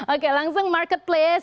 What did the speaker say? oke langsung marketplace